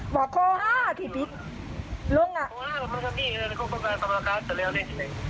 ก็ค่อยมากากตัวแล้วนี่